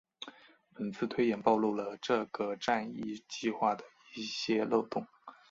此次推演暴露出了这个战役计划的一些漏洞。